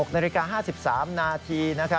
๖นาฬิกา๕๓นาทีนะคะ